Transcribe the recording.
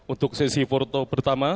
untuk sesi foto pertama